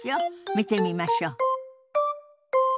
見てみましょう。